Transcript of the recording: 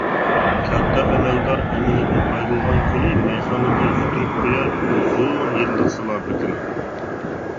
كاتتا ئەمەلدار ئەمىلىدىن ئايرىلغان كۈنى مەيخانىدا يىتتۈرۈپ قويار ئۇزۇن يىللىق سالاپىتىنى.